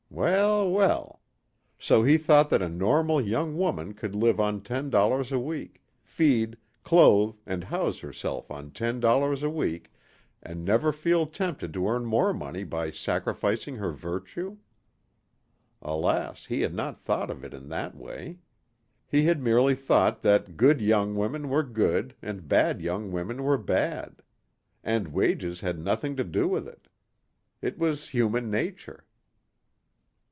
Well, well. So he thought that a normal young woman could live on $10 a week, feed, clothe and house herself on $10 a week and never feel tempted to earn more money by sacrificing her virtue? Alas, he had not thought of it in that way. He had merely thought that good young women were good and bad young women were bad. And wages had nothing to do with it. It was human nature.